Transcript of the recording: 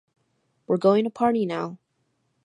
We’re going to party now!